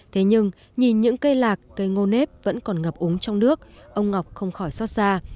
thế nhưng nhìn những cây lạc cây ngô nếp vẫn còn ngập úng trong nước ông ngọc không khỏi xót xa